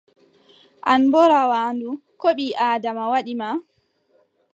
An boo rawaandu, ko ɓii-Aadama waɗi ma?